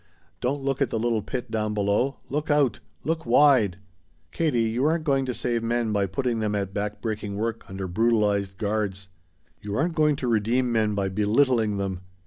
Don't look at the little pit down below! Look out! Look wide!' "Katie you aren't going to save men by putting them at back breaking work under brutalized guards. You aren't going to redeem men by belittling them.